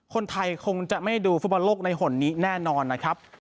คนไทยคงจะไม่ดูฟุตบอลโลกในห่นนี้แน่นอนนะครับ